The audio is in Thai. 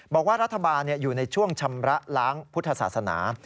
บอกว่ารัฐบาลอยู่ในช่วงชำระล้างพุทธศาสนา